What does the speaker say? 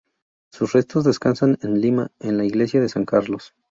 Sus restos descansan en Lima en la iglesia de San Carlos.